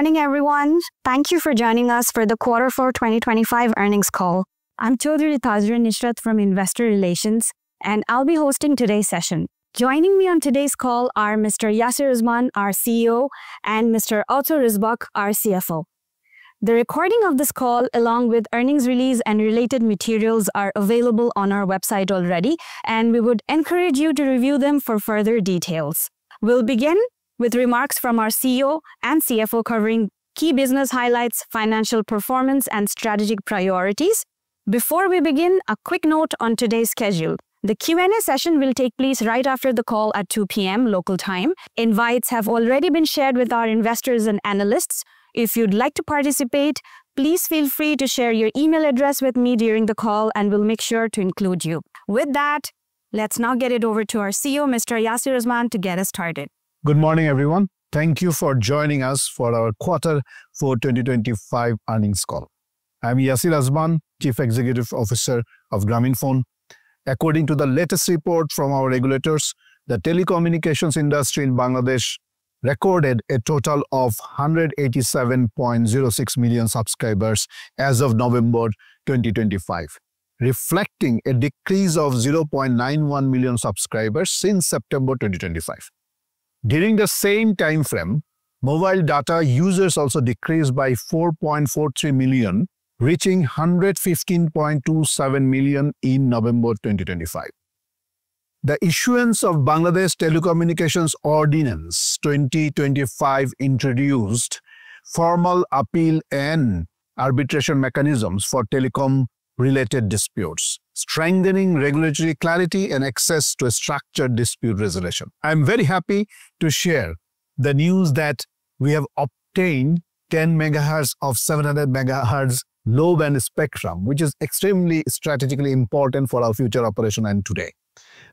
Morning everyone, thank you for joining us for the Quarter 4 2025 earnings call. I'm Chowdhury Tazrian Israt from Investor Relations, and I'll be hosting today's session. Joining me on today's call are Mr. Yasir Azman, our CEO, and Mr. Otto Risbakk, our CFO. The recording of this call, along with earnings release and related materials, are available on our website already, and we would encourage you to review them for further details. We'll begin with remarks from our CEO and CFO covering key business highlights, financial performance, and strategic priorities. Before we begin, a quick note on today's schedule: the Q&A session will take place right after the call at 2:00 P.M. local time. Invites have already been shared with our investors and analysts. If you'd like to participate, please feel free to share your email address with me during the call, and we'll make sure to include you. With that, let's now get it over to our CEO, Mr. Yasir Azman, to get us started. Good morning everyone. Thank you for joining us for our Quarter 4 2025 earnings call. I'm Yasir Azman, Chief Executive Officer of Grameenphone. According to the latest report from our regulators, the telecommunications industry in Bangladesh recorded a total of 187.06 million subscribers as of November 2025, reflecting a decrease of 0.91 million subscribers since September 2025. During the same time frame, mobile data users also decreased by 4.43 million, reaching 115.27 million in November 2025. The issuance of Bangladesh Telecommunications Ordinance 2025 introduced formal appeal and arbitration mechanisms for telecom-related disputes, strengthening regulatory clarity and access to structured dispute resolution. I'm very happy to share the news that we have obtained 10 MHz of 700 MHz low-band spectrum, which is extremely strategically important for our future operation and today.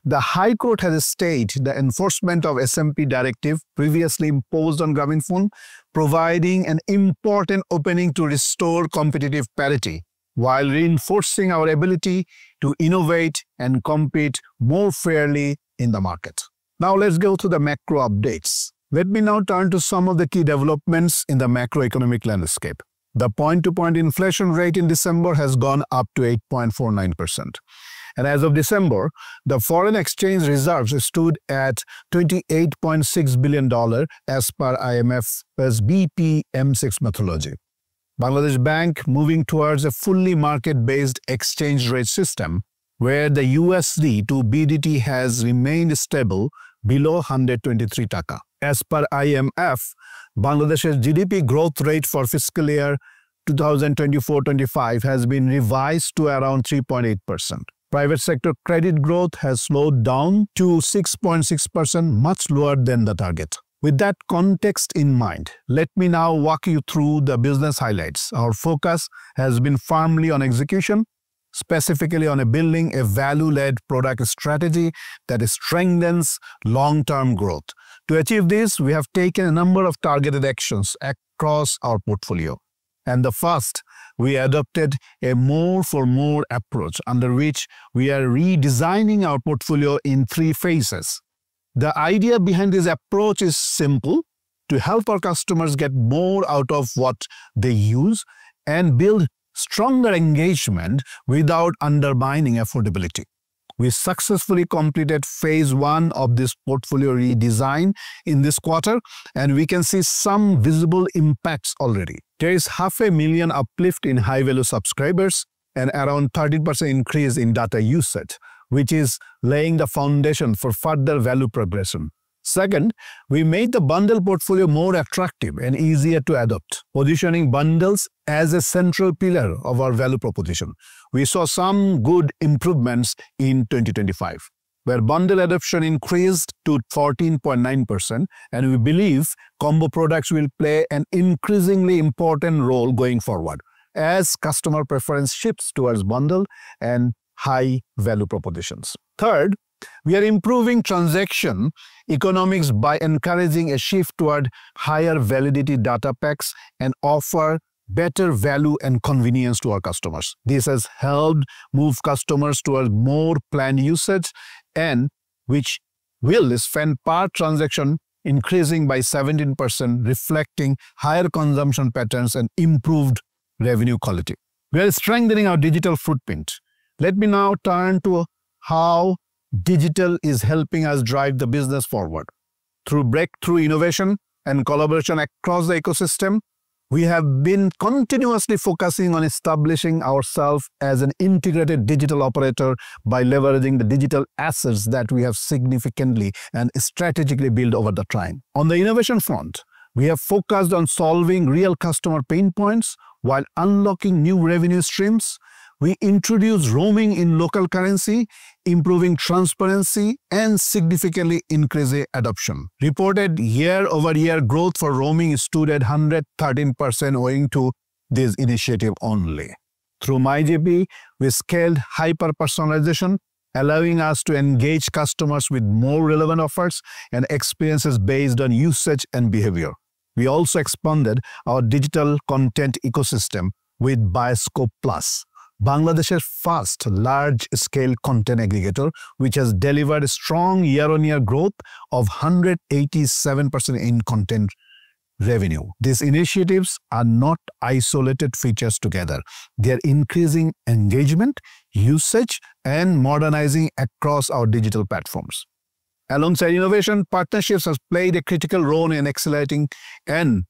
The High Court has stayed the enforcement of the SMP directive previously imposed on Grameenphone provides an important opening to restore competitive parity while reinforcing our ability to innovate and compete more fairly in the market. Now let's go through the macro updates. Let me now turn to some of the key developments in the macroeconomic landscape. The point-to-point inflation rate in December has gone up to 8.49%, and as of December, the foreign exchange reserves stood at $28.6 billion as per IMF's BPM6 methodology. Bangladesh Bank is moving towards a fully market-based exchange rate system, where the USD/BDT has remained stable below 123 taka. As per IMF, Bangladesh's GDP growth rate for fiscal year 2024-25 has been revised to around 3.8%. Private sector credit growth has slowed down to 6.6%, much lower than the target. With that context in mind, let me now walk you through the business highlights. Our focus has been firmly on execution, specifically on building a value-led product strategy that strengthens long-term growth. To achieve this, we have taken a number of targeted actions across our portfolio. And the first, we adopted a More For More approach under which we are redesigning our portfolio in three phases. The idea behind this approach is simple: to help our customers get more out of what they use and build stronger engagement without undermining affordability. We successfully completed phase one of this portfolio redesign in this quarter, and we can see some visible impacts already. There is a 500,000 uplift in high-value subscribers and around a 30% increase in data usage, which is laying the foundation for further value progression. Second, we made the bundle portfolio more attractive and easier to adopt, positioning bundles as a central pillar of our value proposition. We saw some good improvements in 2025, where bundle adoption increased to 14.9%, and we believe combo products will play an increasingly important role going forward as customer preference shifts towards bundles and high-value propositions. Third, we are improving transaction economics by encouraging a shift toward higher validity data packs and offering better value and convenience to our customers. This has helped move customers towards more planned usage, which led to spend per transaction increasing by 17%, reflecting higher consumption patterns and improved revenue quality. We are strengthening our digital footprint. Let me now turn to how digital is helping us drive the business forward. Through breakthrough innovation and collaboration across the ecosystem, we have been continuously focusing on establishing ourselves as an integrated digital operator by leveraging the digital assets that we have significantly and strategically built over time. On the innovation front, we have focused on solving real customer pain points while unlocking new revenue streams. We introduced roaming in local currency, improving transparency, and significantly increasing adoption. Reported year-over-year growth for roaming stood at 113% owing to this initiative only. Through MyGP, we scaled hyper-personalization, allowing us to engage customers with more relevant offers and experiences based on usage and behavior. We also expanded our digital content ecosystem with Bioscope+, Bangladesh's first large-scale content aggregator, which has delivered strong year-over-year growth of 187% in content revenue. These initiatives are not isolated features together. They are increasing engagement, usage, and modernizing across our digital platforms. Alongside innovation, partnerships have played a critical role in accelerating and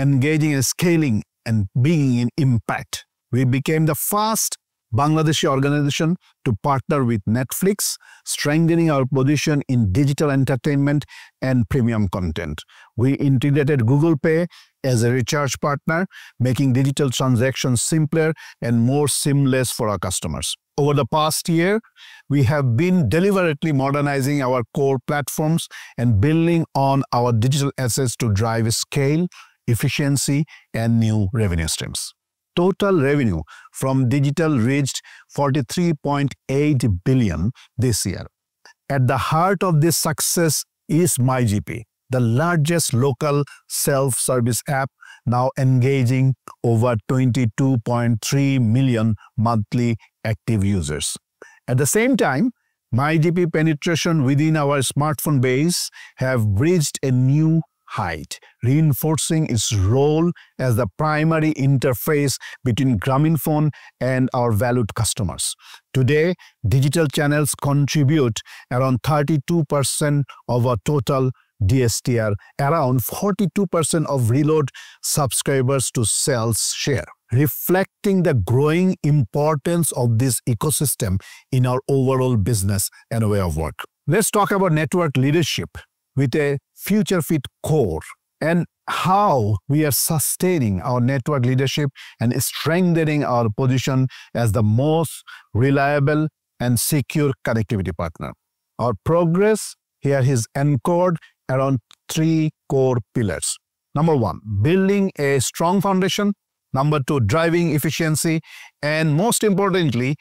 engaging in scaling and bringing impact. We became the first Bangladeshi organization to partner with Netflix, strengthening our position in digital entertainment and premium content. We integrated Google Pay as a recharge partner, making digital transactions simpler and more seamless for our customers. Over the past year, we have been deliberately modernizing our core platforms and building on our digital assets to drive scale, efficiency, and new revenue streams. Total revenue from digital reached $43.8 billion this year. At the heart of this success is MyGP, the largest local self-service app now engaging over 22.3 million monthly active users. At the same time, MyGP penetrations within our smartphone base have reached a new height, reinforcing its role as the primary interface between Grameenphone and our valued customers. Today, digital channels contribute around 32% of our total distribution, around 42% of reload subscribers to sales share, reflecting the growing importance of this ecosystem in our overall business and way of work. Let's talk about network leadership with a future-fit core and how we are sustaining our network leadership and strengthening our position as the most reliable and secure connectivity partner. Our progress here is encoded around three core pillars: 1) Building a strong foundation, 2) Driving efficiency, and most importantly,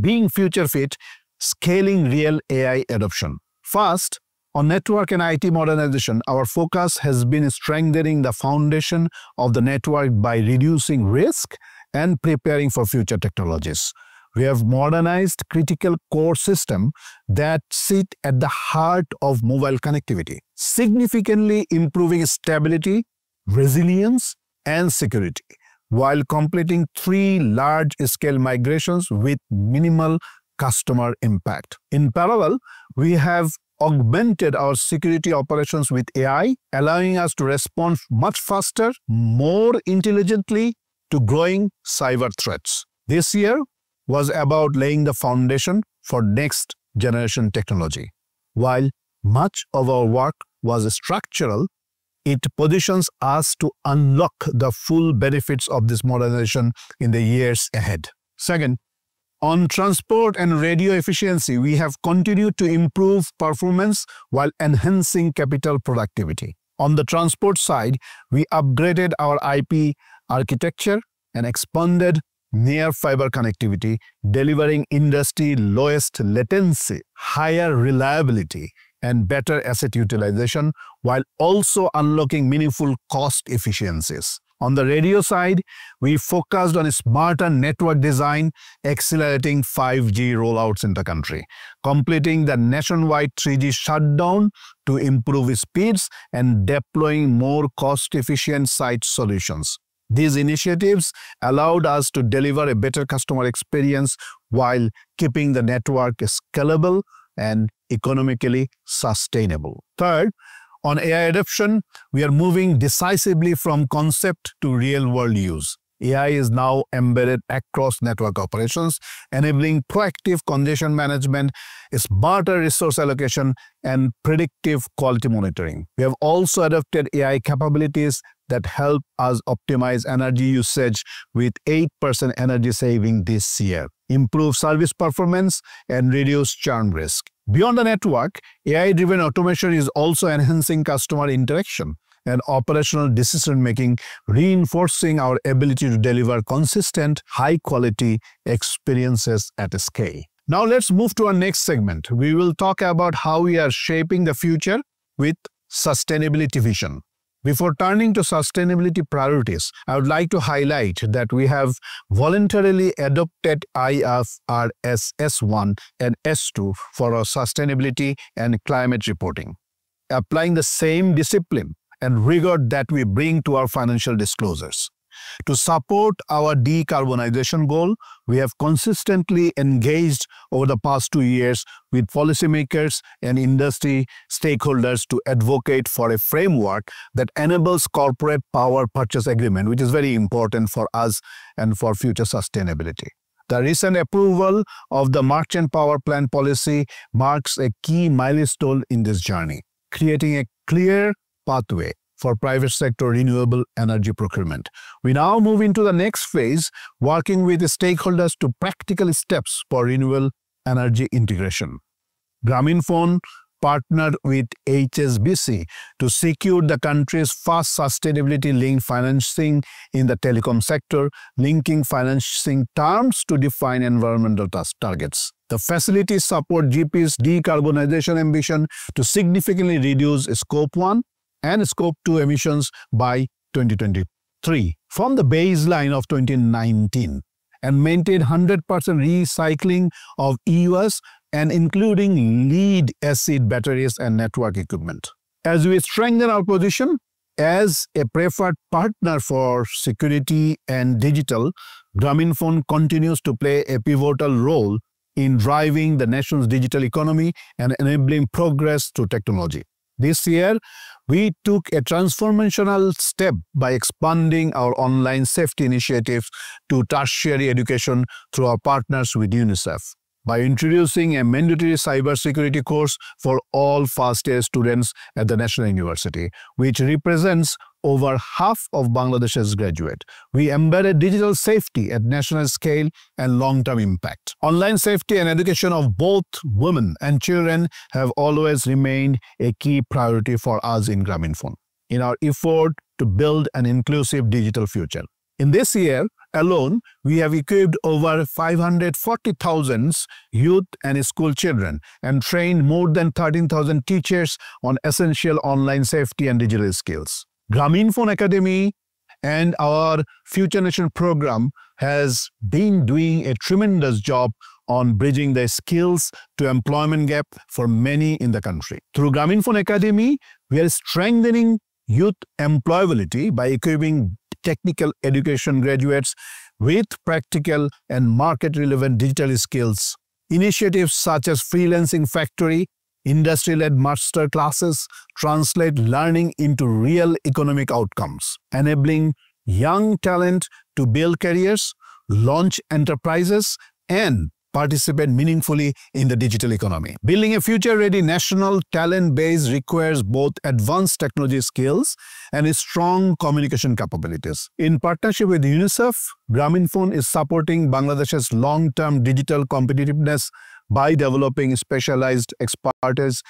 being future-fit, scaling real AI adoption. First, on network and IT modernization, our focus has been strengthening the foundation of the network by reducing risk and preparing for future technologies. We have modernized critical core systems that sit at the heart of mobile connectivity, significantly improving stability, resilience, and security while completing three large-scale migrations with minimal customer impact. In parallel, we have augmented our security operations with AI, allowing us to respond much faster, more intelligently, to growing cyber threats. This year was about laying the foundation for next-generation technology. While much of our work was structural, it positions us to unlock the full benefits of this modernization in the years ahead. Second, on transport and radio efficiency, we have continued to improve performance while enhancing capital productivity. On the transport side, we upgraded our IP architecture and expanded near-fiber connectivity, delivering industry-lowest latency, higher reliability, and better asset utilization while also unlocking meaningful cost efficiencies. On the radio side, we focused on smarter network design, accelerating 5G rollouts in the country, completing the nationwide 3G shutdown to improve speeds, and deploying more cost-efficient site solutions. These initiatives allowed us to deliver a better customer experience while keeping the network scalable and economically sustainable. Third, on AI adoption, we are moving decisively from concept to real-world use. AI is now embedded across network operations, enabling proactive condition management, smarter resource allocation, and predictive quality monitoring. We have also adopted AI capabilities that help us optimize energy usage, with 8% energy savings this year, improving service performance, and reducing churn risk. Beyond the network, AI-driven automation is also enhancing customer interaction and operational decision-making, reinforcing our ability to deliver consistent, high-quality experiences at scale. Now let's move to our next segment. We will talk about how we are shaping the future with sustainability vision. Before turning to sustainability priorities, I would like to highlight that we have voluntarily adopted IFRS S1 and S2 for our sustainability and climate reporting, applying the same discipline and rigor that we bring to our financial disclosures. To support our decarbonization goal, we have consistently engaged over the past two years with policymakers and industry stakeholders to advocate for a framework that enables corporate power purchase agreements, which is very important for us and for future sustainability. The recent approval of the Merchant Power Plant policy marks a key milestone in this journey, creating a clear pathway for private sector renewable energy procurement. We now move into the next phase, working with stakeholders on practical steps for renewable energy integration. Grameenphone partnered with HSBC to secure the country's first sustainability-linked financing in the telecom sector, linking financing terms to define environmental targets. The facilities support GP's decarbonization ambition to significantly reduce Scope 1 and Scope 2 emissions by 2023 from the baseline of 2019, and maintain 100% recycling of e-waste and including lead-acid batteries and network equipment. As we strengthen our position as a preferred partner for security and digital, Grameenphone continues to play a pivotal role in driving the nation's digital economy and enabling progress through technology. This year, we took a transformational step by expanding our online safety initiatives to tertiary education through our partners with UNICEF, by introducing a mandatory cybersecurity course for all first-year students at the national university, which represents over half of Bangladesh's graduates. We embedded digital safety at national scale and long-term impact. Online safety and education of both women and children have always remained a key priority for us in Grameenphone, in our effort to build an inclusive digital future. In this year alone, we have equipped over 540,000 youth and school children and trained more than 13,000 teachers on essential online safety and digital skills. Grameenphone Academy and our Future Nation program have been doing a tremendous job on bridging the skills to the employment gap for many in the country. Through Grameenphone Academy, we are strengthening youth employability by equipping technical education graduates with practical and market-relevant digital skills. Initiatives such as Freelancing Factory and industry-led master classes translate learning into real economic outcomes, enabling young talent to build careers, launch enterprises, and participate meaningfully in the digital economy. Building a future-ready national talent base requires both advanced technology skills and strong communication capabilities. In partnership with UNICEF, Grameenphone is supporting Bangladesh's long-term digital competitiveness by developing specialized experts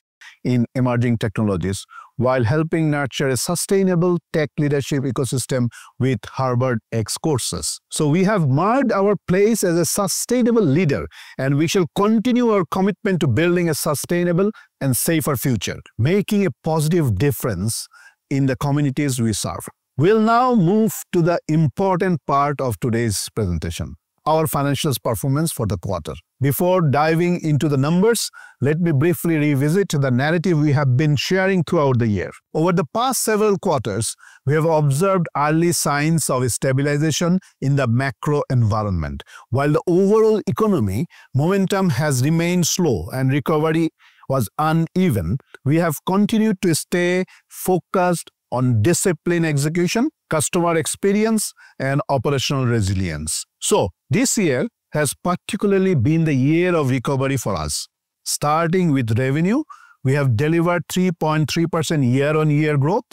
in emerging technologies while helping nurture a sustainable tech leadership ecosystem with HarvardX courses. So we have marked our place as a sustainable leader, and we shall continue our commitment to building a sustainable and safer future, making a positive difference in the communities we serve. We'll now move to the important part of today's presentation: our financial performance for the quarter. Before diving into the numbers, let me briefly revisit the narrative we have been sharing throughout the year. Over the past several quarters, we have observed early signs of stabilization in the macro environment. While the overall economy momentum has remained slow and recovery was uneven, we have continued to stay focused on discipline execution, customer experience, and operational resilience. So this year has particularly been the year of recovery for us. Starting with revenue, we have delivered 3.3% year-on-year growth,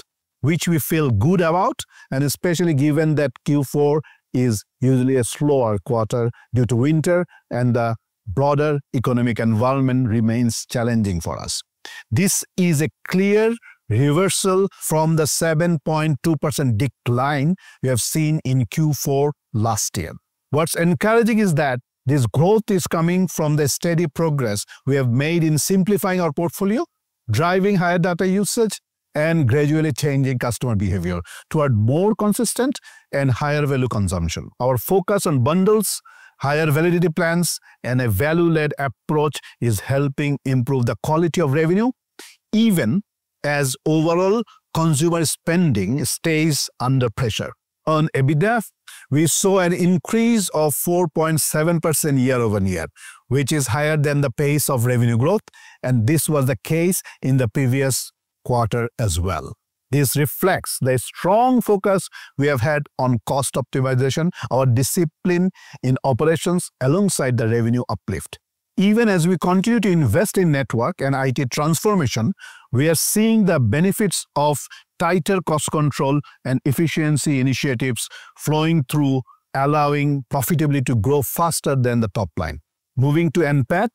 which we feel good about, and especially given that Q4 is usually a slower quarter due to winter and the broader economic environment remains challenging for us. This is a clear reversal from the 7.2% decline we have seen in Q4 last year. What's encouraging is that this growth is coming from the steady progress we have made in simplifying our portfolio, driving higher data usage, and gradually changing customer behavior toward more consistent and higher-value consumption. Our focus on bundles, higher-validity plans, and a value-led approach is helping improve the quality of revenue, even as overall consumer spending stays under pressure. On EBITDA, we saw an increase of 4.7% year-over-year, which is higher than the pace of revenue growth, and this was the case in the previous quarter as well. This reflects the strong focus we have had on cost optimization, our discipline in operations, alongside the revenue uplift. Even as we continue to invest in network and IT transformation, we are seeing the benefits of tighter cost control and efficiency initiatives flowing through, allowing profitability to grow faster than the top line. Moving to NPAT,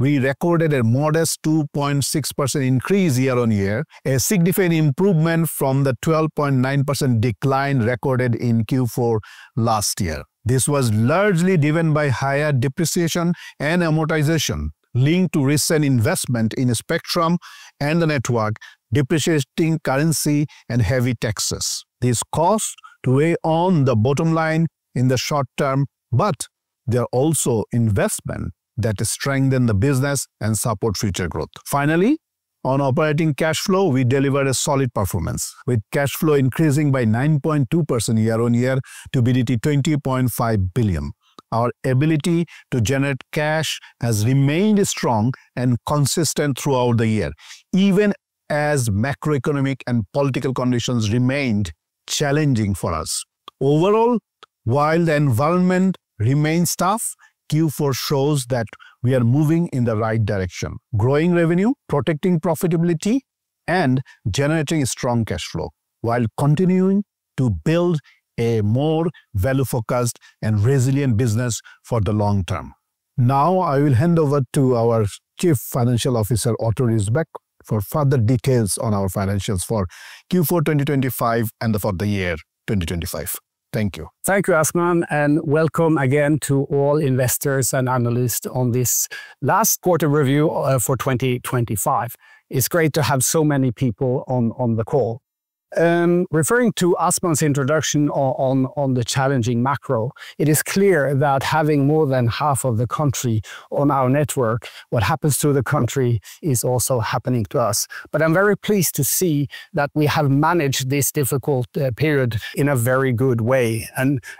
we recorded a modest 2.6% increase year-on-year, a significant improvement from the 12.9% decline recorded in Q4 last year. This was largely driven by higher depreciation and amortization, linked to recent investments in Spectrum and the network, depreciating currency and heavy taxes. These costs weigh on the bottom line in the short term, but they are also investments that strengthen the business and support future growth. Finally, on operating cash flow, we delivered a solid performance, with cash flow increasing by 9.2% year-on-year to a BDT 20.5 billion. Our ability to generate cash has remained strong and consistent throughout the year, even as macroeconomic and political conditions remained challenging for us. Overall, while the environment remains tough, Q4 shows that we are moving in the right direction: growing revenue, protecting profitability, and generating strong cash flow, while continuing to build a more value-focused and resilient business for the long term. Now I will hand over to our Chief Financial Officer, Otto Risbakk, for further details on our financials for Q4 2025 and for the year 2025. Thank you. Thank you, Yasir, and welcome again to all investors and analysts on this last quarter review for 2025. It's great to have so many people on the call. Referring to Yasir's introduction on the challenging macro, it is clear that having more than half of the country on our network, what happens to the country is also happening to us. But I'm very pleased to see that we have managed this difficult period in a very good way.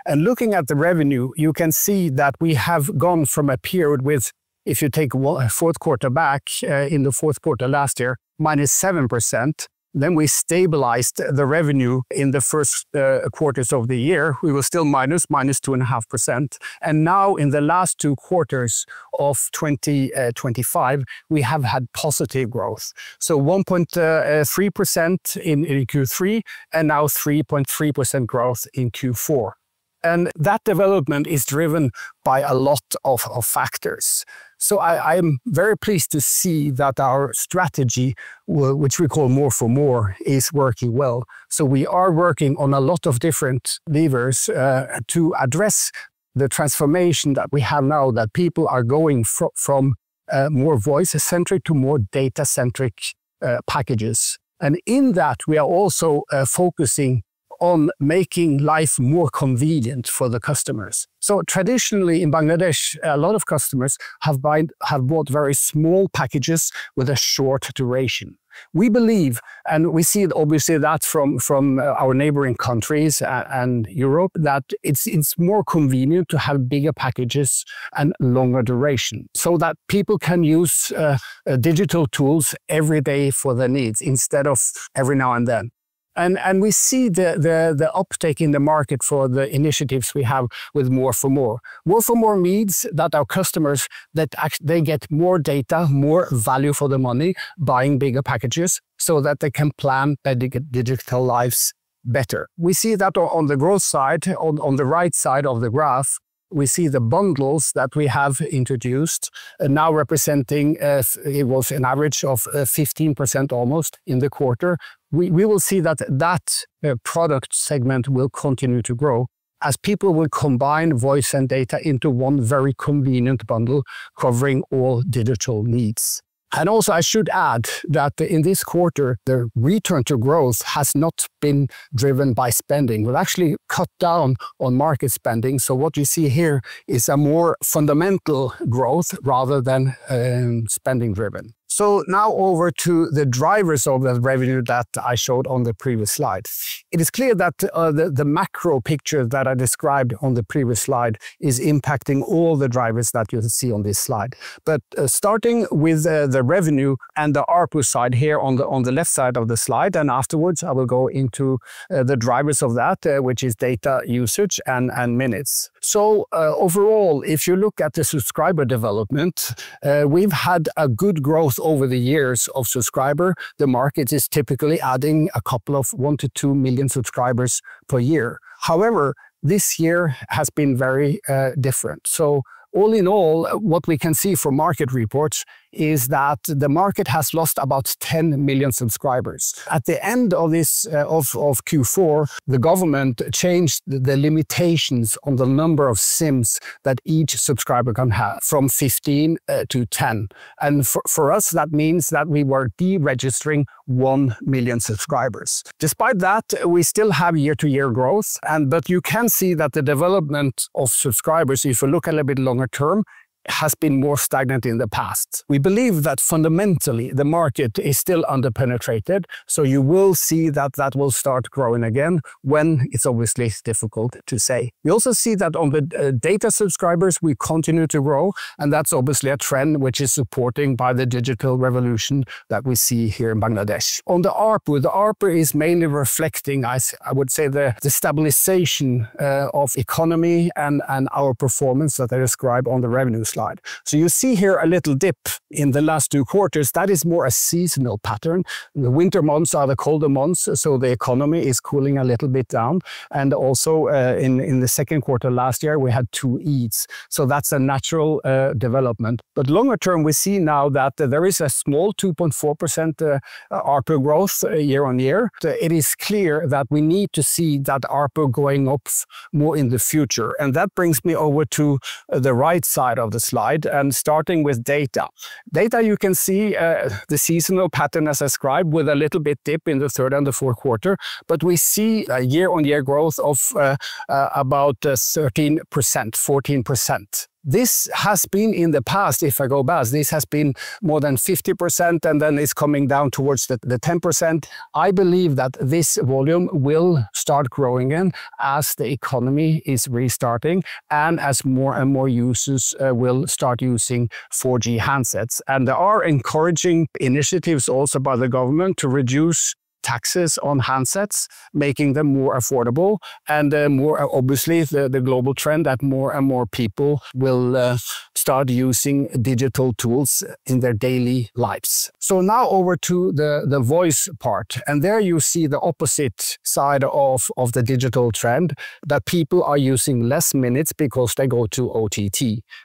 Looking at the revenue, you can see that we have gone from a period with, if you take the fourth quarter back, in the fourth quarter last year, -7%. Then we stabilized the revenue in the first quarters of the year. We were still minus, -2.5%. And now, in the last two quarters of 2025, we have had positive growth. So 1.3% in Q3 and now 3.3% growth in Q4. And that development is driven by a lot of factors. So I am very pleased to see that our strategy, which we call More for More, is working well. So we are working on a lot of different levers to address the transformation that we have now, that people are going from more voice-centric to more data-centric packages. And in that, we are also focusing on making life more convenient for the customers. Traditionally, in Bangladesh, a lot of customers have bought very small packages with a short duration. We believe, and we see obviously that from our neighboring countries and Europe, that it's more convenient to have bigger packages and longer durations, so that people can use digital tools every day for their needs instead of every now and then. We see the uptake in the market for the initiatives we have with More for More. More for More means that our customers, they get more data, more value for their money buying bigger packages so that they can plan their digital lives better. We see that on the growth side, on the right side of the graph, we see the bundles that we have introduced, now representing an average of 15% almost in the quarter. We will see that that product segment will continue to grow as people will combine voice and data into one very convenient bundle covering all digital needs. Also, I should add that in this quarter, the return to growth has not been driven by spending. We've actually cut down on market spending. So what you see here is more fundamental growth rather than spending-driven. So now over to the drivers of the revenue that I showed on the previous slide. It is clear that the macro picture that I described on the previous slide is impacting all the drivers that you see on this slide. But starting with the revenue and the ARPU side here on the left side of the slide, and afterwards, I will go into the drivers of that, which is data usage and minutes. So overall, if you look at the subscriber development, we've had a good growth over the years of subscribers. The market is typically adding a couple of 1-2 million subscribers per year. However, this year has been very different. So all in all, what we can see from market reports is that the market has lost about 10 million subscribers. At the end of Q4, the government changed the limitations on the number of SIMs that each subscriber can have from 15 to 10. And for us, that means that we were deregistering 1 million subscribers. Despite that, we still have year-to-year growth. But you can see that the development of subscribers, if you look a little bit longer term, has been more stagnant in the past. We believe that fundamentally, the market is still underpenetrated. So you will see that that will start growing again when it's obviously difficult to say. We also see that on the data subscribers, we continue to grow. And that's obviously a trend which is supported by the digital revolution that we see here in Bangladesh. On the ARPU, the ARPU is mainly reflecting, I would say, the stabilization of the economy and our performance that I described on the revenue slide. So you see here a little dip in the last two quarters. That is more a seasonal pattern. The winter months are the colder months, so the economy is cooling a little bit down. And also, in the second quarter last year, we had two Eids. So that's a natural development. But longer term, we see now that there is a small 2.4% ARPU growth year-on-year. It is clear that we need to see that ARPU going up more in the future. That brings me over to the right side of the slide, starting with data. Data, you can see the seasonal pattern, as I described, with a little bit dip in the third and the fourth quarter. But we see a year-on-year growth of about 13%, 14%. This has been in the past, if I go back, this has been more than 50%, and then it's coming down towards the 10%. I believe that this volume will start growing again as the economy is restarting and as more and more users will start using 4G handsets. There are encouraging initiatives also by the government to reduce taxes on handsets, making them more affordable. Obviously, the global trend that more and more people will start using digital tools in their daily lives. So now over to the voice part. And there you see the opposite side of the digital trend, that people are using less minutes because they go to OTT.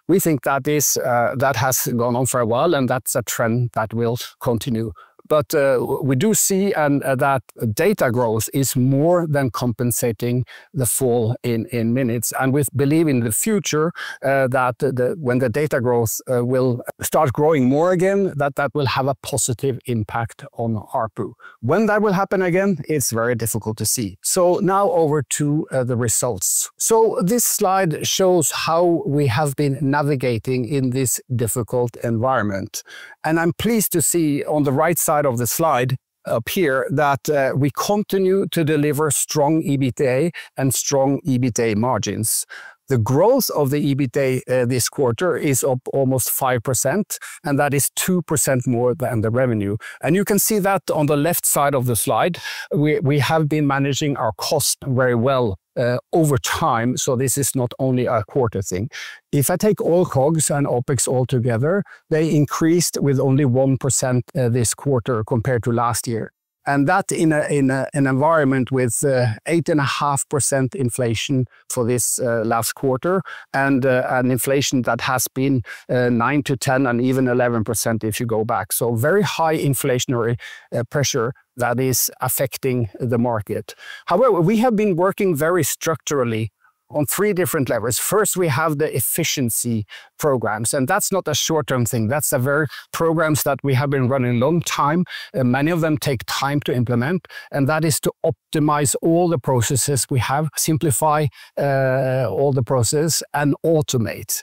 We think that has gone on for a while, and that's a trend that will continue. But we do see that data growth is more than compensating the fall in minutes. And we believe in the future that when the data growth will start growing more again, that that will have a positive impact on ARPU. When that will happen again, it's very difficult to see. So now over to the results. So this slide shows how we have been navigating in this difficult environment. And I'm pleased to see on the right side of the slide up here that we continue to deliver strong EBITDA and strong EBITDA margins. The growth of the EBITDA this quarter is up almost 5%, and that is 2% more than the revenue. You can see that on the left side of the slide, we have been managing our costs very well over time. This is not only a quarter thing. If I take all COGS and OPEX altogether, they increased with only 1% this quarter compared to last year. That in an environment with 8.5% inflation for this last quarter and an inflation that has been 9%-10% and even 11% if you go back. Very high inflationary pressure that is affecting the market. However, we have been working very structurally on three different levels. First, we have the efficiency programs. That's not a short-term thing. That's a very program that we have been running a long time. Many of them take time to implement. That is to optimize all the processes we have, simplify all the processes, and automate.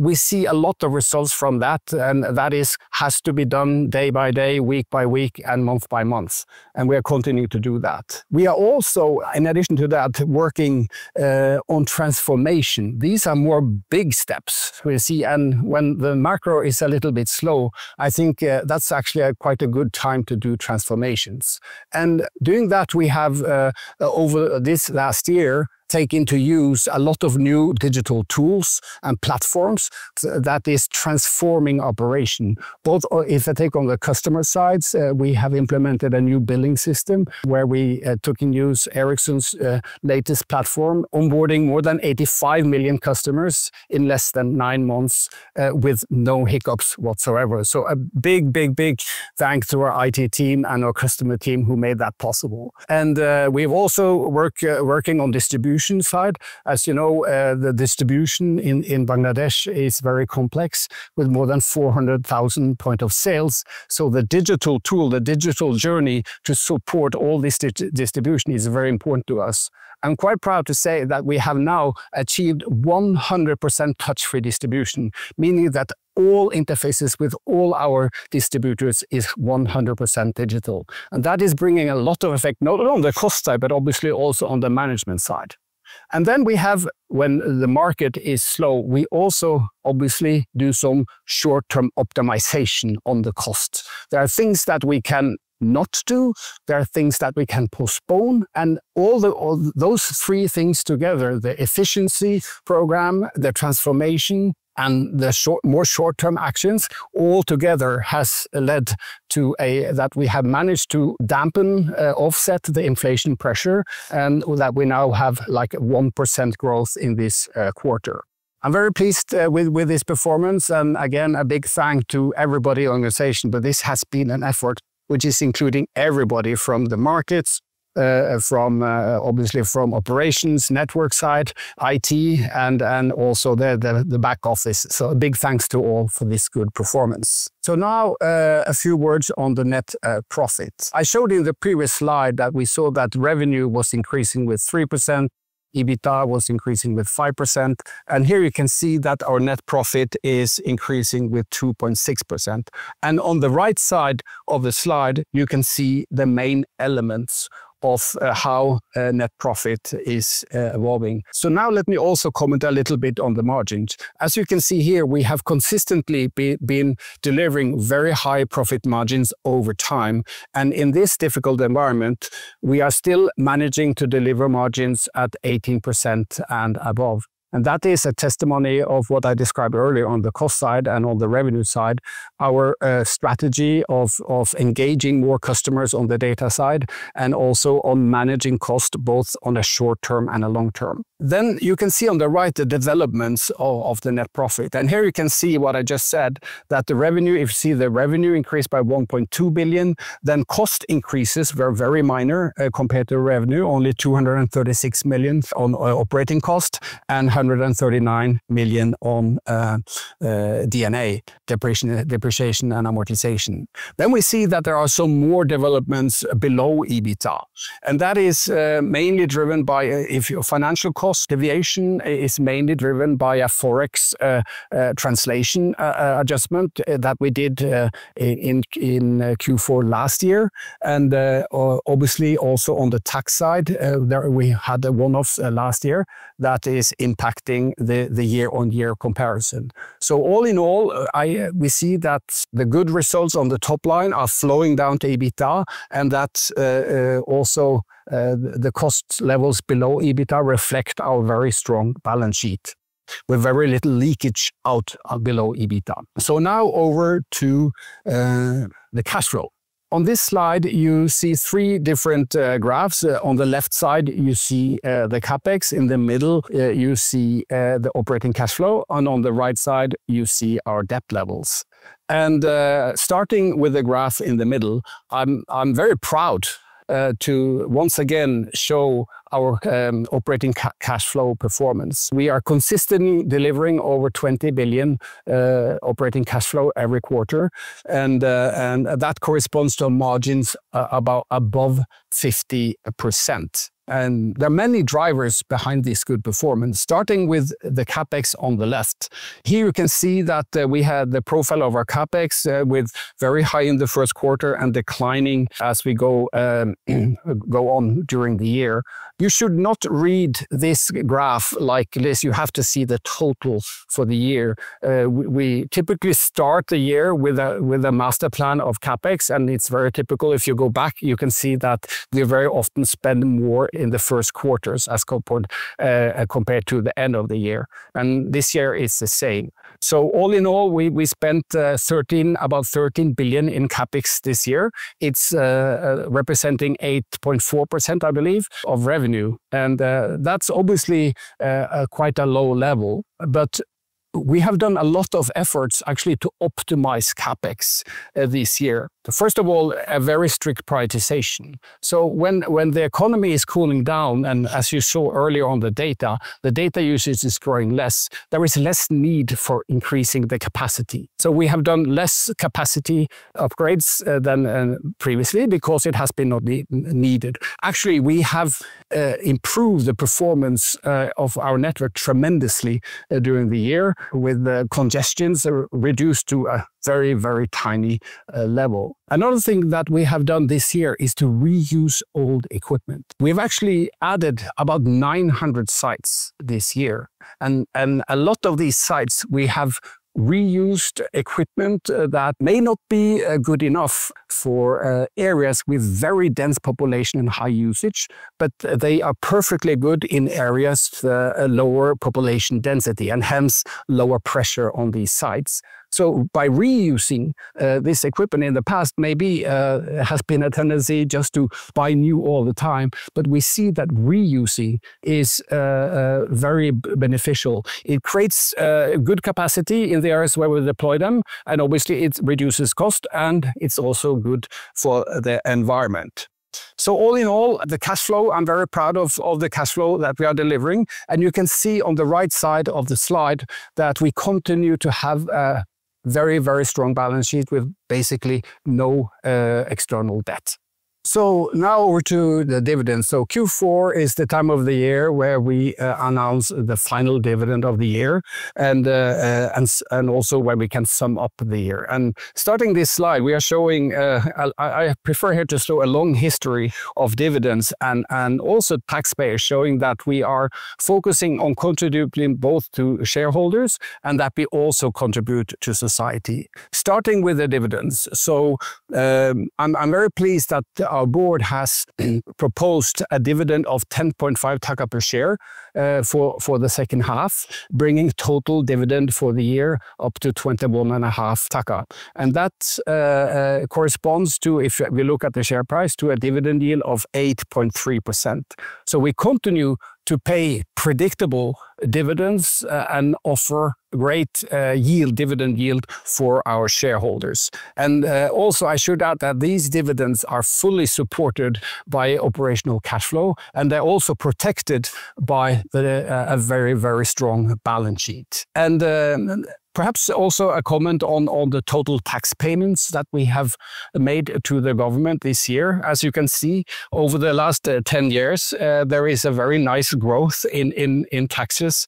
We see a lot of results from that. That has to be done day by day, week by week, and month by month. We are continuing to do that. We are also, in addition to that, working on transformation. These are more big steps we see. When the macro is a little bit slow, I think that's actually quite a good time to do transformations. Doing that, we have, over this last year, taken to use a lot of new digital tools and platforms that are transforming operations. Both if I take on the customer sides, we have implemented a new billing system where we took in use Ericsson's latest platform, onboarding more than 85 million customers in less than nine months with no hiccups whatsoever. So a big, big, big thanks to our IT team and our customer team who made that possible. We've also been working on the distribution side. As you know, the distribution in Bangladesh is very complex with more than 400,000 points of sale. The digital tool, the digital journey to support all this distribution is very important to us. I'm quite proud to say that we have now achieved 100% touch-free distribution, meaning that all interfaces with all our distributors are 100% digital. That is bringing a lot of effect, not only on the cost side, but obviously also on the management side. Then we have, when the market is slow, we also obviously do some short-term optimization on the costs. There are things that we can not do. There are things that we can postpone. All those three things together, the efficiency program, the transformation, and the more short-term actions, all together have led to that we have managed to dampen, offset the inflation pressure, and that we now have like 1% growth in this quarter. I'm very pleased with this performance. Again, a big thanks to everybody in the organization. This has been an effort which is including everybody from the markets, obviously from operations, network side, IT, and also the back office. A big thanks to all for this good performance. Now a few words on the net profit. I showed in the previous slide that we saw that revenue was increasing with 3%, EBITDA was increasing with 5%. Here you can see that our net profit is increasing with 2.6%. On the right side of the slide, you can see the main elements of how net profit is evolving. Now let me also comment a little bit on the margins. As you can see here, we have consistently been delivering very high profit margins over time. In this difficult environment, we are still managing to deliver margins at 18% and above. That is a testimony of what I described earlier on the cost side and on the revenue side, our strategy of engaging more customers on the data side and also on managing costs, both on a short-term and a long-term. You can see on the right the developments of the net profit. Here you can see what I just said, that the revenue, if you see the revenue increase by BDT 1.2 billion, then cost increases were very minor compared to revenue, only BDT 236 million on operating costs and BDT 139 million on D&A, depreciation and amortization. Then we see that there are some more developments below EBITDA. And that is mainly driven by financial costs. Deviation is mainly driven by a Forex translation adjustment that we did in Q4 last year. And obviously, also on the tax side, we had one-offs last year that are impacting the year-on-year comparison. So all in all, we see that the good results on the top line are flowing down to EBITDA and that also the cost levels below EBITDA reflect our very strong balance sheet with very little leakage out below EBITDA. So now over to the cash flow. On this slide, you see three different graphs. On the left side, you see the CapEx. In the middle, you see the operating cash flow. On the right side, you see our debt levels. Starting with the graph in the middle, I'm very proud to once again show our operating cash flow performance. We are consistently delivering over BDT 20 billion operating cash flow every quarter. That corresponds to margins about above 50%. There are many drivers behind this good performance, starting with the CapEx on the left. Here you can see that we had the profile of our CapEx very high in the first quarter and declining as we go on during the year. You should not read this graph like this. You have to see the total for the year. We typically start the year with a master plan of CapEx. It's very typical. If you go back, you can see that we very often spend more in the first quarters as compared to the end of the year. This year is the same. All in all, we spent about BDT 13 billion in CapEx this year. It's representing 8.4%, I believe, of revenue. That's obviously quite a low level. We have done a lot of efforts actually to optimize CapEx this year. First of all, a very strict prioritization. When the economy is cooling down, and as you saw earlier on the data, the data usage is growing less, there is less need for increasing the capacity. We have done less capacity upgrades than previously because it has been not needed. Actually, we have improved the performance of our network tremendously during the year with congestions reduced to a very, very tiny level. Another thing that we have done this year is to reuse old equipment. We've actually added about 900 sites this year. A lot of these sites, we have reused equipment that may not be good enough for areas with very dense population and high usage, but they are perfectly good in areas with lower population density and hence lower pressure on these sites. By reusing this equipment in the past, maybe there has been a tendency just to buy new all the time. We see that reusing is very beneficial. It creates good capacity in the areas where we deploy them. Obviously, it reduces cost. It's also good for the environment. All in all, I'm very proud of the cash flow that we are delivering. You can see on the right side of the slide that we continue to have a very, very strong balance sheet with basically no external debt. So now over to the dividends. So Q4 is the time of the year where we announce the final dividend of the year and also where we can sum up the year. And starting this slide, we are showing I prefer here to show a long history of dividends and also taxpayers, showing that we are focusing on contributing both to shareholders and that we also contribute to society. Starting with the dividends, so I'm very pleased that our board has proposed a dividend of BDT 10.5 per share for the second half, bringing total dividend for the year up to BDT 21.5. And that corresponds to, if we look at the share price, to a dividend yield of 8.3%. So we continue to pay predictable dividends and offer great dividend yield for our shareholders. And also, I should add that these dividends are fully supported by operational cash flow. And they're also protected by a very, very strong balance sheet. And perhaps also a comment on the total tax payments that we have made to the government this year. As you can see, over the last 10 years, there is a very nice growth in taxes,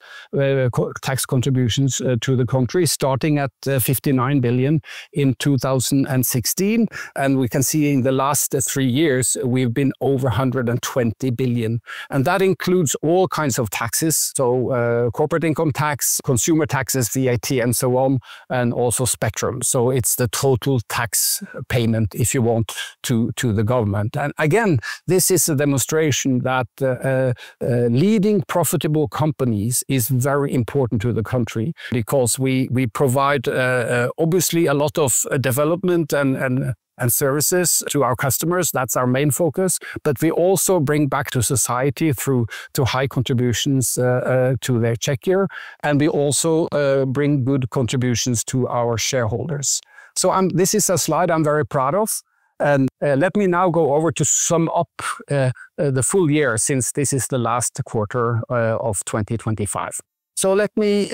tax contributions to the country, starting at BDT 59 billion in 2016. And we can see in the last three years, we've been over BDT 120 billion. And that includes all kinds of taxes, so corporate income tax, consumer taxes, VAT, and so on, and also spectrum. So it's the total tax payment, if you want, to the government. Again, this is a demonstration that leading profitable companies are very important to the country because we provide, obviously, a lot of development and services to our customers. That's our main focus. But we also bring back to society through high contributions to the exchequer. And we also bring good contributions to our shareholders. So this is a slide I'm very proud of. And let me now go over to sum up the full year since this is the last quarter of 2025. So let me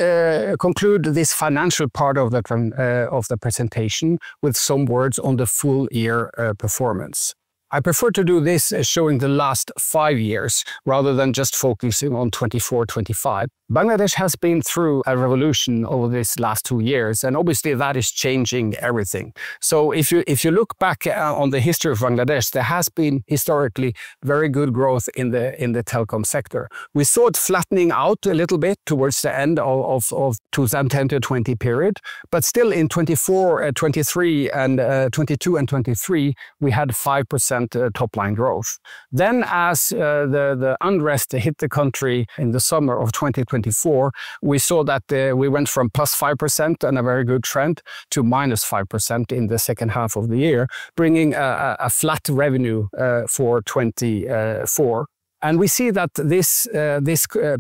conclude this financial part of the presentation with some words on the full year performance. I prefer to do this showing the last five years rather than just focusing on 2024, 2025. Bangladesh has been through a revolution over these last two years. And obviously, that is changing everything. So if you look back on the history of Bangladesh, there has been historically very good growth in the telecom sector. We saw it flattening out a little bit towards the end of the 2010 to 2020 period. But still, in 2024, 2023, and 2022 and 2023, we had 5% top-line growth. Then as the unrest hit the country in the summer of 2024, we saw that we went from +5%, and a very good trend, to -5% in the second half of the year, bringing a flat revenue for 2024. And we see that this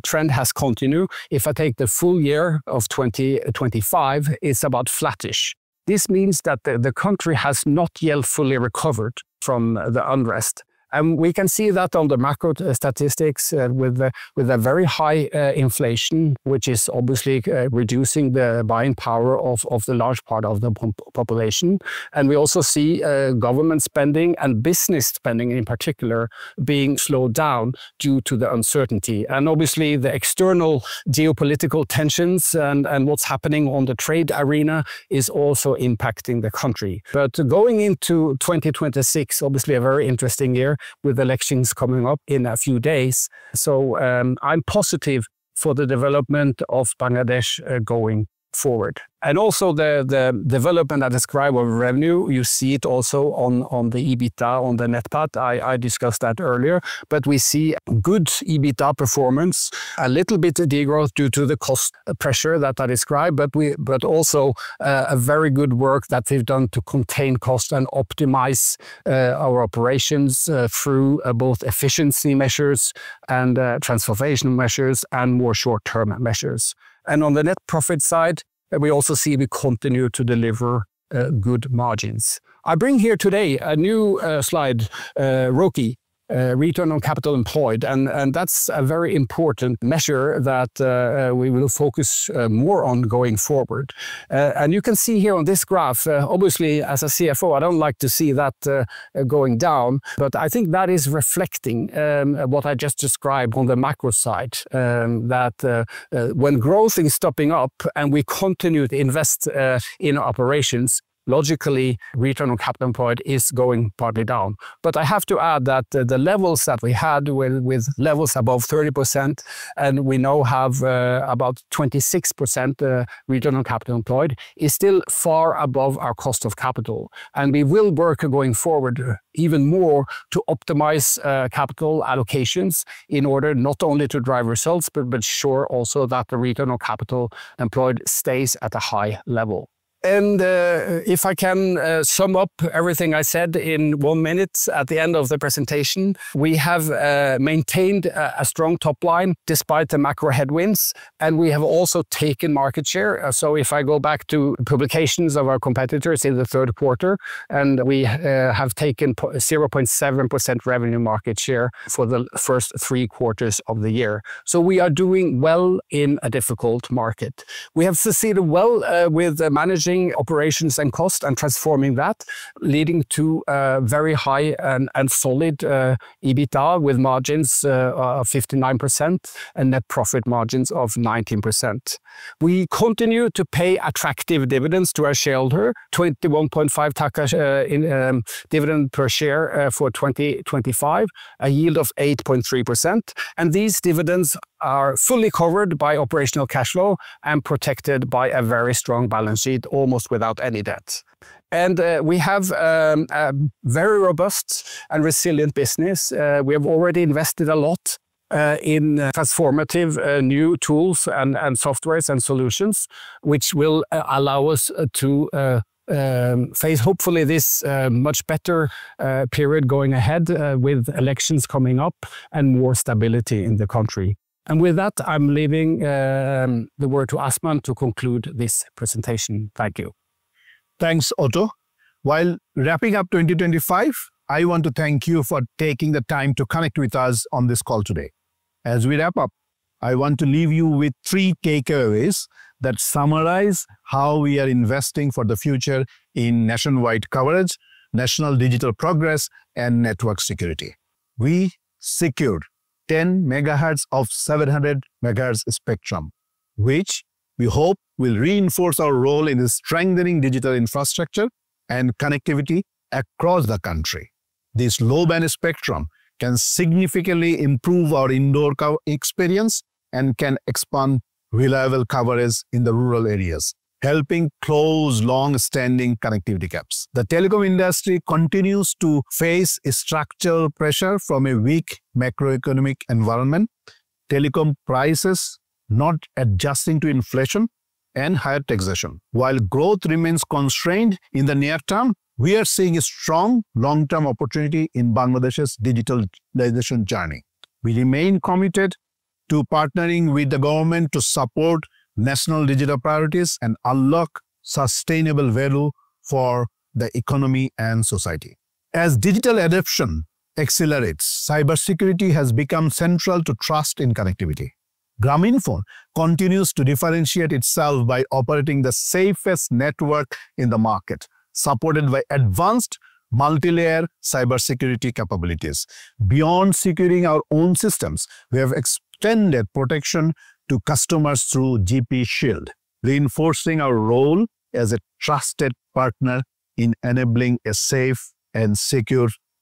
trend has continued. If I take the full year of 2025, it's about flattish. This means that the country has not yet fully recovered from the unrest. We can see that on the macro statistics with a very high inflation, which is obviously reducing the buying power of the large part of the population. And we also see government spending and business spending, in particular, being slowed down due to the uncertainty. And obviously, the external geopolitical tensions and what's happening on the trade arena are also impacting the country. But going into 2026, obviously a very interesting year with elections coming up in a few days. So I'm positive for the development of Bangladesh going forward. And also, the development I describe of revenue, you see it also on the EBITDA, on the NPAT. I discussed that earlier. But we see good EBITDA performance, a little bit of degrowth due to the cost pressure that I described, but also very good work that they've done to contain costs and optimize our operations through both efficiency measures and transformation measures and more short-term measures. And on the net profit side, we also see we continue to deliver good margins. I bring here today a new slide, ROCE, return on capital employed. And that's a very important measure that we will focus more on going forward. And you can see here on this graph, obviously, as a CFO, I don't like to see that going down. But I think that is reflecting what I just described on the macro side, that when growth is stopping up and we continue to invest in operations, logically, return on capital employed is going partly down. But I have to add that the levels that we had with levels above 30%, and we now have about 26% return on capital employed, is still far above our cost of capital. We will work going forward even more to optimize capital allocations in order not only to drive results, but to ensure also that the return on capital employed stays at a high level. If I can sum up everything I said in one minute at the end of the presentation, we have maintained a strong top line despite the macro headwinds. We have also taken market share. So if I go back to publications of our competitors in the third quarter, and we have taken 0.7% revenue market share for the first three quarters of the year. So we are doing well in a difficult market. We have succeeded well with managing operations and costs and transforming that, leading to very high and solid EBITDA with margins of 59% and net profit margins of 19%. We continue to pay attractive dividends to our shareholders, BDT 21.5 dividend per share for 2025, a yield of 8.3%. These dividends are fully covered by operational cash flow and protected by a very strong balance sheet, almost without any debt. We have a very robust and resilient business. We have already invested a lot in transformative new tools and softwares and solutions, which will allow us to face, hopefully, this much better period going ahead with elections coming up and more stability in the country. With that, I'm leaving the word to Azman to conclude this presentation. Thank you. Thanks, Otto. While wrapping up 2025, I want to thank you for taking the time to connect with us on this call today. As we wrap up, I want to leave you with three takeaways that summarize how we are investing for the future in nationwide coverage, national digital progress, and network security. We secured 10 megahertz of 700 megahertz spectrum, which we hope will reinforce our role in strengthening digital infrastructure and connectivity across the country. This low-band spectrum can significantly improve our indoor experience and can expand reliable coverage in the rural areas, helping close long-standing connectivity gaps. The telecom industry continues to face structural pressure from a weak macroeconomic environment, telecom prices not adjusting to inflation, and higher taxation. While growth remains constrained in the near term, we are seeing a strong long-term opportunity in Bangladesh's digitalization journey. We remain committed to partnering with the government to support national digital priorities and unlock sustainable value for the economy and society. As digital adoption accelerates, cybersecurity has become central to trust in connectivity. Grameenphone continues to differentiate itself by operating the safest network in the market, supported by advanced multilayer cybersecurity capabilities. Beyond securing our own systems, we have extended protection to customers through GP Shield, reinforcing our role as a trusted partner in enabling a safe and secure.